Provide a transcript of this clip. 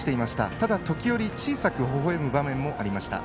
ただ、時折小さく、微笑む場面もありました。